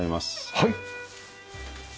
はい。